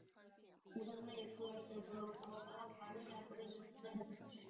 古特内克是德国巴伐利亚州的一个市镇。